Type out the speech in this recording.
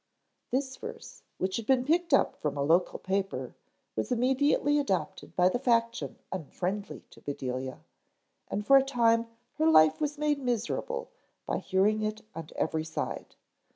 This verse, which had been picked up from a local paper, was immediately adopted by the faction unfriendly to Bedelia, and for a time her life was made miserable by hearing it on every side.